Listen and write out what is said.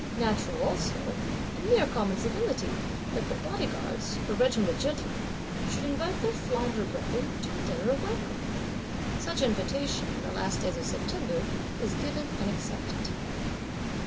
Natural also, and mere common civility, that the Bodyguards, a Regiment of Gentlemen, should invite their Flandre brethren to a Dinner of welcome!—Such invitation, in the last days of September, is given and accepted.